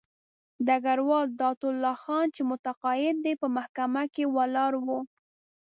ډګروال دادالله خان چې متقاعد دی په محکمه کې ولاړ وو.